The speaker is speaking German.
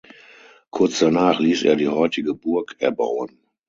Kurz danach ließ er die heutige Burg erbauen.